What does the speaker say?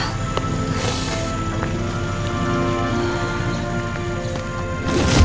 mama mau pergi sekarang al